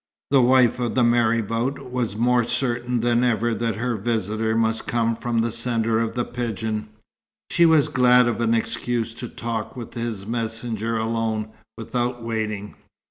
The wife of the marabout was more certain than ever that her visitor must come from the sender of the pigeon. She was glad of an excuse to talk with his messenger alone, without waiting.